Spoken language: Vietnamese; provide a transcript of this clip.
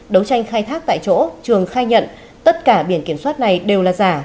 đấu tranh khai thác tại chỗ trường khai nhận tất cả biển kiểm soát này đều là giả